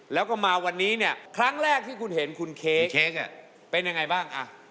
แล้วก็มาวันนี้เนี่ยครั้งแรกที่คุณเห็นคุณเค้กเค้กเป็นยังไงบ้าง